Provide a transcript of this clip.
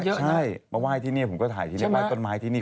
ใช่มาไหว้ที่นี่ผมก็ถ่ายที่นี่ไห้ต้นไม้ที่นี่